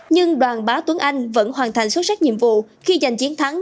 nhưng đoàn bá tuấn anh vẫn hoàn thành xuất sắc nhiệm vụ khi giành chiến thắng